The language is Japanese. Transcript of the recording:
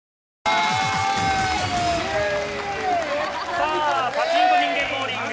さあパチンコ人間ボウリング